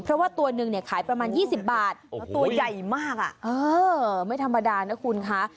เพราะว่าตัวนึงเนี่ยขายประมาณ๒๐บาทแล้วตัวใหญ่มากไม่ธรรมดานะคุณคะ